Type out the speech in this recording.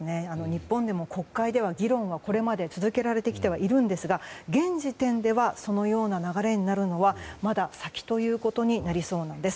日本でも、国会で議論が続けられているんですが現時点ではそのような流れになるのはまだ先ということになりそうです。